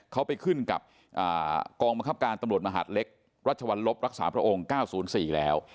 เขาไปขึ้นกับกองบังคับการตำรวจมหาดเล็กรัชวรรลบรักษาพระองค์๙๐๔แล้ว